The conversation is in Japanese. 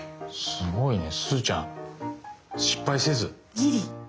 すごいねすずちゃん失敗せず。